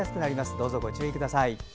どうぞご注意ください。